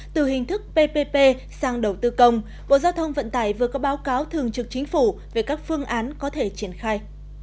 từ hình thức ppp sang đầu tư công bộ giao thông vận tải vừa có báo cáo thường trực chính phủ về các phương án có thể triển khai